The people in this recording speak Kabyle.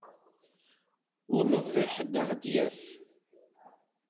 Ur nebɣi ḥedd ad ɣ-d-yaf.